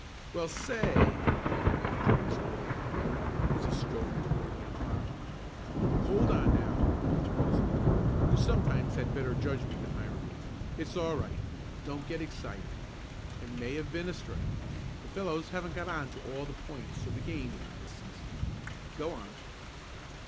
"Well, say " began the manager in his bullying manner, as he strode toward the umpire. "Hold on now!" interposed Luke, who sometimes had better judgment than Hiram. "It's all right. Don't get excited. It may have been a strike. The fellows haven't got on to all the points of the game yet this season. Go on."